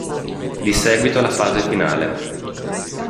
Di seguito la fase finale.